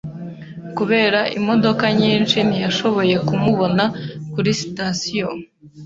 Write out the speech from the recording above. Kubera imodoka nyinshi, ntiyashoboye kumubona kuri sitasiyo.